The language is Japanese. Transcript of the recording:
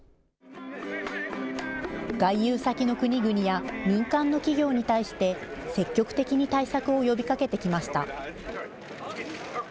外遊先の国々や、民間の企業に対して、積極的に対策を呼びかけてきました。